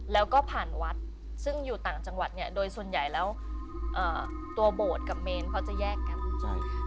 แล้วก็ผ่านวัดซึ่งอยู่ต่างจังหวัดเนี่ยโดยส่วนใหญ่แล้วตัวโบสถ์กับเมนเขาจะแยกกัน